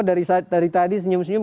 dari tadi senyum senyum